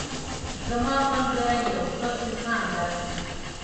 زما ملګری یو ښه انسان ده